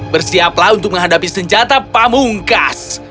bersiaplah untuk menghadapi senjata pamungkas